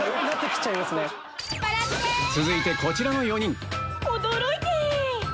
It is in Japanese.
続いてこちらの４人驚いて！